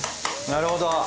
なるほど。